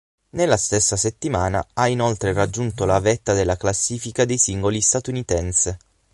Nella stessa settimana ha inoltre raggiunto la vetta della classifica dei singoli statunitense.